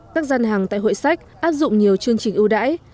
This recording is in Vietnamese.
các gian hàng tại hội sách áp dụng nhiều chương trình ưu đãi